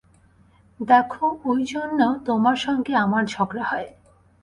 দেখো, ঐজন্যে তোমার সঙ্গে আমার ঝগড়া হয়।